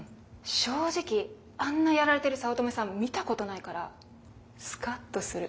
正直あんなやられてる早乙女さん見たことないからスカッとする。